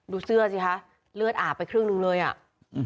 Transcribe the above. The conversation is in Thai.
เสื้อสิคะเลือดอาบไปครึ่งหนึ่งเลยอ่ะอืม